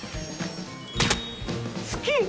好き！